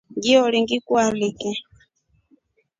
Ngiori ngikualike.